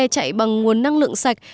chạy bằng nguồn năng lượng sạch